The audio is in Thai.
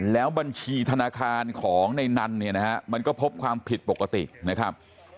แล้วบัญชีธนาคารของในนันเนี่ยนะฮะมันก็พบความผิดปกตินะครับ